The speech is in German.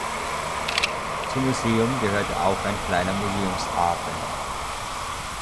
Zum Museum gehört auch ein kleiner Museumshafen.